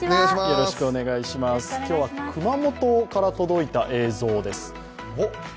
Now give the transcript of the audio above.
今日は熊本から届いた映像です。